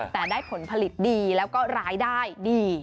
แต่ได้ผลผลิตดีแล้วก็รายได้ดี